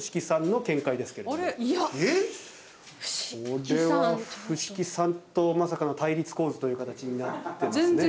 これは伏木さんとまさかの対立構図という形になってますね。